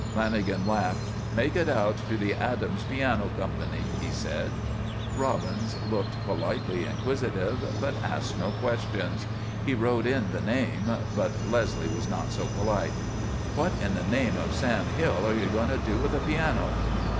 Lanagan laughed. "Make it out to the Adams Piano Company," he said. Robbins looked politely inquisitive, but asked no questions. He wrote in the name. But Leslie was not so polite. "What in the name of Sam Hill are you going to do with a piano?"